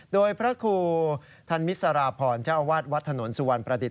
โดยพระครูธันมิสราพรเจ้าอาวาสวัดถนนสุวรรณประดิษฐ